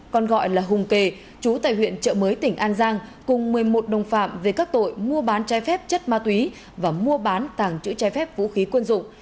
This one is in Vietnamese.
còn gọi là hùng kề chú tại huyện trợ mới tỉnh an giang cùng một mươi một đồng phạm về các tội mua bán trái phép chất ma túy và mua bán tàng chữ trái phép vũ khí quân dụng